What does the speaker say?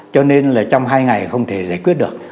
cho nên là trong hai ngày không thể giải quyết được